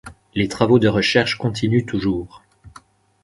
Les travaux de recherche continuent toujours.